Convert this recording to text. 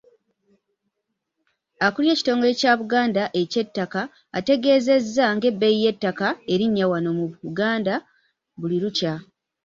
Akulira ekitongole Kya Buganda eky'ettakka, ategeezezza ng'ebbeeyi y'ettaka erinnya wano mu Buganda buli lukya